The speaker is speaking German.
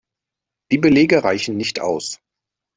Die Belege reichen nicht aus.